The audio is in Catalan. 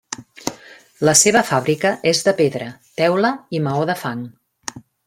La seva fàbrica és de pedra, teula i maó de fang.